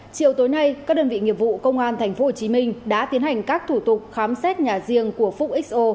chiều tối nay các đơn vị nghiệp vụ công an tp hcm đã tiến hành các thủ tục khám xét nhà riêng của phúc xo